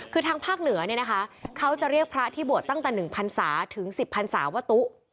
คือทางภาคเหนือเนี่ยนะคะเขาจะเรียกพระที่บวชตั้งแต่๑พันศาถึง๑๐พันศาว่าตุ๊